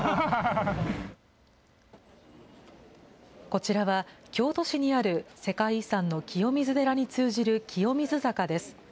こちらは京都市にある世界遺産の清水寺に通じる清水坂です。